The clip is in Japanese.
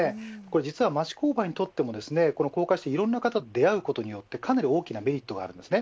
実は町工場にとっても高架下はいろんな方と出会うことによって、かなり大きなメリットがあります。